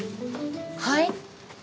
はい？